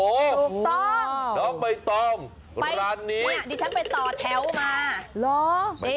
ถูกต้องน้องใบตองร้านนี้เนี่ยดิฉันไปต่อแถวมาเหรอ